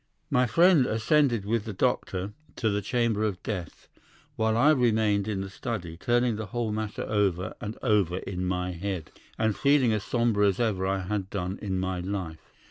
"My friend ascended with the doctor to the chamber of death, while I remained in the study, turning the whole matter over and over in my head, and feeling as sombre as ever I had done in my life.